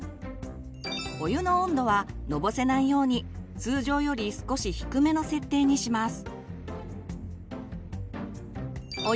お湯の温度はのぼせないように通常より少し低めの設定にします。